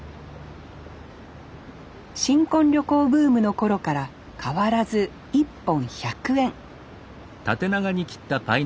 新婚旅行ブームの頃から変わらず１本１００円